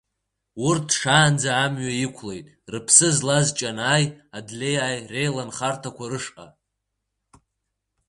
Урҭ шаанӡа амҩа иқәлеит рыԥсы злаз Ҷанааи Адлеиааи реиланхарҭақәа рышҟа.